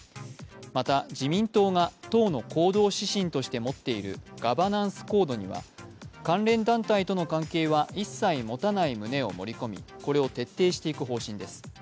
また、自民党が党の行動指針として持っているガバナンスコードには関連団体との関係は一切持たない旨を盛り込みこれを徹底していく方針です。